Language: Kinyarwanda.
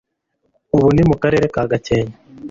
Ubu ni mu Karere ka Gakenke.